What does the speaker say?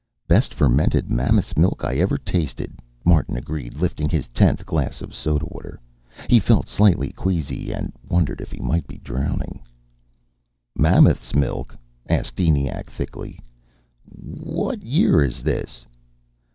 "Best fermented mammoth's milk I ever tasted," Martin agreed, lifting his tenth glass of soda water. He felt slightly queasy and wondered if he might be drowning. "Mammoth's milk?" asked ENIAC thickly. "What year is this?"